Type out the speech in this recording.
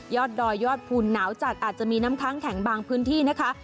ดอยยอดภูมิหนาวจัดอาจจะมีน้ำค้างแข็งบางพื้นที่นะคะ